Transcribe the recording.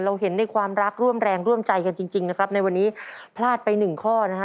เห็นในความรักร่วมแรงร่วมใจกันจริงนะครับในวันนี้พลาดไปหนึ่งข้อนะฮะ